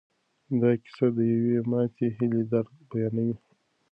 دا کیسه د یوې ماتې هیلې درد بیانوي.